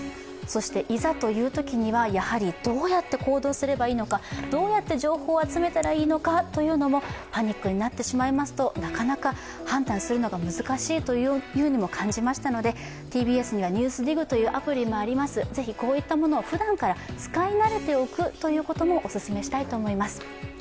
いざというときには、やはりどうやって行動すればいいのか、どうやって情報を集めたらいいのかというのはパニックになってしまいますとなかなか判断するのが難しいというのも感じましたので、ＴＢＳには「ＮＥＷＳＤＩＧ」というアプリもあります、ぜひこういったものをふだんから使い慣れておくということもお勧めしたいと思います。